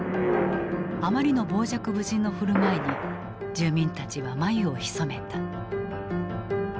あまりの傍若無人の振る舞いに住民たちは眉をひそめた。